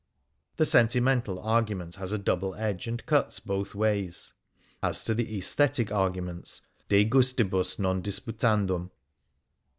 The sentimental argument has a double edge, and cuts both ways. As to the aesthetic argu ments, " de gustibus non disputandum."'"